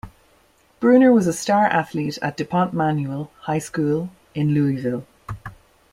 Bruner was a star athlete at duPont Manual High School in Louisville.